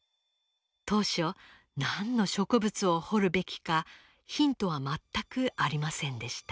当初何の植物を彫るべきかヒントは全くありませんでした。